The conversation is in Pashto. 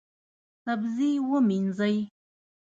سبزي ومینځئ